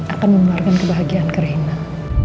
akan membuarkan kebahagiaan kerenah